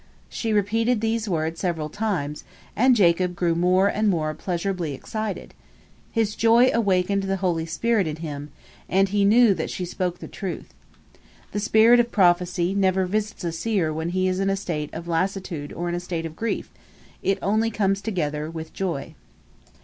She repeated these words several times, and Jacob grew more and more pleasurably excited. His joy awakened the holy spirit in him, and he knew that she spoke the truth. The spirit of prophecy never visits a seer when he is in a state of lassitude or in a state of grief; it comes only together with joy.